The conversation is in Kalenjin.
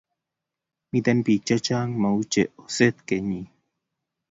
Miten pik che chang mauche oset kenyin